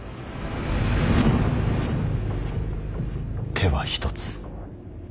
手は一つ。